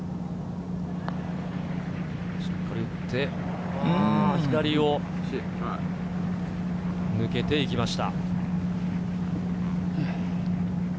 しっかり打って、左を抜けていきました。